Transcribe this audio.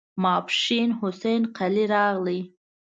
ماسپښين حسن قلي راغی.